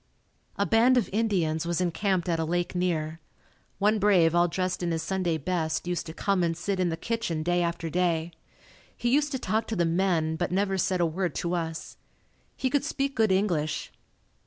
A band of Indians was encamped at a lake near. One brave all dressed in his Sunday best used to come and sit in the kitchen day after day. He used to talk to the men but never said a word to us. He could speak good English.